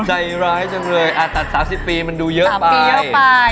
ใจร้ายจังเลยตัด๓๐ปีมันดูเยอะไปเยอะไป